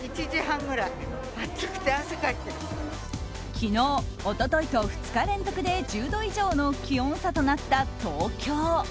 昨日、一昨日と２日連続で１０度以上の気温差となった東京。